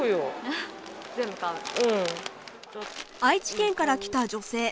愛知県から来た女性。